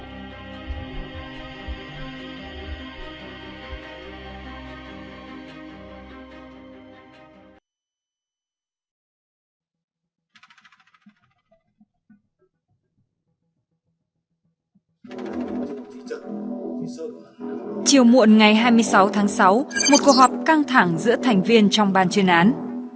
chiều muộn ngày hai mươi sáu tháng sáu một cuộc họp căng thẳng giữa thành viên trong ban chuyên án